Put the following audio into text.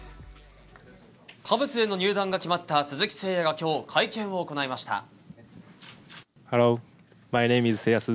カブスへの入団が決まった鈴木誠也が今日、会見を行いました。